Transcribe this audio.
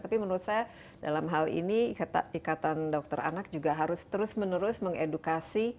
tapi menurut saya dalam hal ini ikatan dokter anak juga harus terus menerus mengedukasi